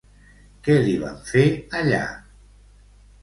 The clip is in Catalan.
Què li van fer allà?